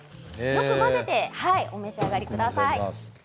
よく混ぜて召し上がりください。